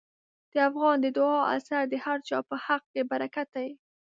د افغان د دعا اثر د هر چا په حق کې برکت دی.